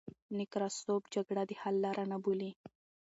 نکراسوف جګړه د حل لار نه بولي.